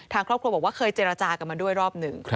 ทางครอบครัวบอกว่าเคยเจรจากันมาด้วยรอบหนึ่ง